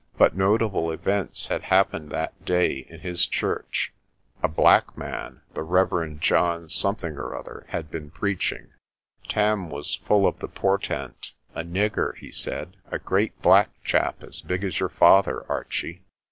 But notable events had happened that day in his church. A black man, the Rev. John Something or other, 14 PRESTER JOHN had been preaching. Tarn was full of the portent. "A nigger," he said, "a great black chap as big as your father, Archie."